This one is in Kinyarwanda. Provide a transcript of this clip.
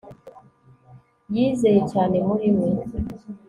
Yizeye cyane muri we